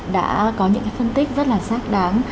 đã có những phân tích rất là xác đáng